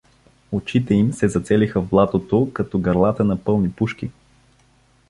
Очите им се зацелиха в блатото като гърлата на пълни пушки.